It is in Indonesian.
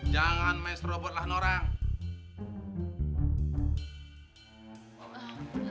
jangan main serobot lahan orang